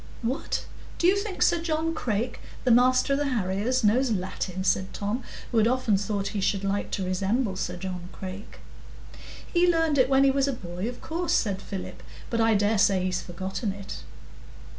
"What! do you think Sir John Crake, the master of the harriers, knows Latin?" said Tom, who had often thought he should like to resemble Sir John Crake. "He learned it when he was a boy, of course," said Philip. "But I dare say he's forgotten it."